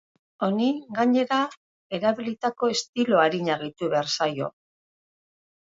Honi, gainera, erabilitako estilo arina gehitu behar zaio.